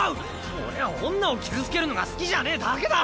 俺は女を傷つけるのが好きじゃねぇだけだ。